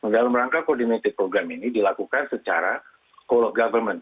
dalam rangka koordinatif program ini dilakukan secara co government